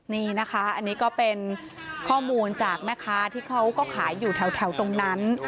นี่นะคะอันนี้ก็เป็นข้อมูลจากแม่ค้าที่เขาก็ขายอยู่แถวตรงนั้น